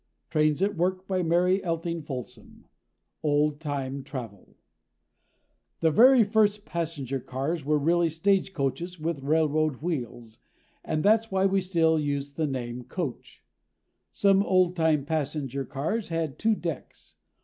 [Illustration: TIE ADZER] OLD TIME TRAVEL The very first passenger cars were really stagecoaches with railroad wheels, and that's why we still use the name coach. Some old time passenger cars had two decks.